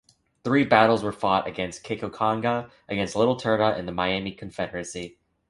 Three battles were fought at Kekionga against Little Turtle and the Miami Confederacy.